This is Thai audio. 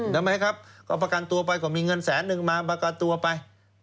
ทำไมครับก็ประกันตัวไปก็มีเงินแสนนึงมาประกันตัวไป